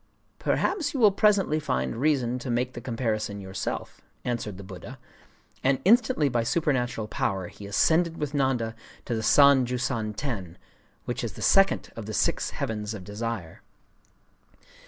'Perhaps you will presently find reason to make the comparison yourself,' answered the Buddha;—and instantly by supernatural power he ascended with Nanda to the San Jūsan Ten, which is the Second of the Six Heavens of Desire.